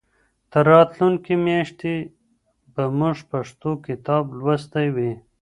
تر راتلونکې میاشتې به موږ پښتو کتاب لوستی وي.